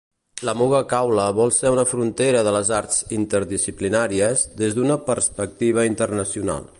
La Muga Caula vol ser una frontera de les arts interdisciplinàries des d'una perspectiva internacional.